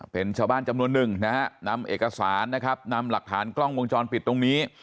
เป็นชาวบ้านจำนวนหนึ่งนะฮะนำเอกสารนะครับนำหลักฐานกล้องวงจรปิดตรงนี้